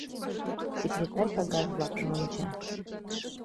Секретарь кагаз-влакым онча.